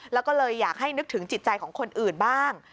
แล้วก็เลยอยากให้นึกถึงจิตใจของคนอื่นบ้าง